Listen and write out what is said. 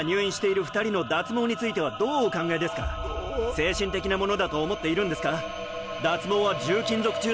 精神的なものだと思っているんですか？